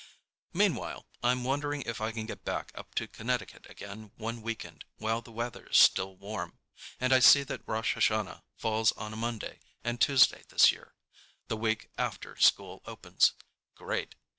Meanwhile, I'm wondering if I can get back up to Connecticut again one weekend while the weather's still warm, and I see that Rosh Hashanah falls on a Monday and Tuesday this year, the week after school opens. Great.